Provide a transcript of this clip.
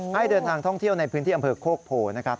ให้เดินทางท่องเที่ยวในพื้นที่อำเภอโคกโพนะครับ